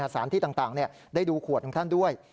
สารที่ต่างได้ดูขวดของท่านด้วย